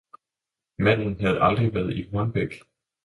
Manden havde aldrig været i Hornbæk